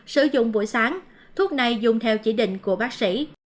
sử dụng buổi sáng thuốc này dùng theo chỉ định của bác sĩ